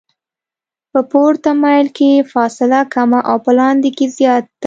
په پورته میل کې فاصله کمه او په لاندې کې زیاته وي